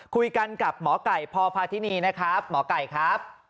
คุยกันกับหมอไก่พพาธินีนะครับหมอไก่ครับ